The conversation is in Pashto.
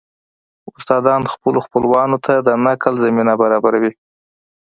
استادان خپلو خپلوانو ته د نقل زمينه برابروي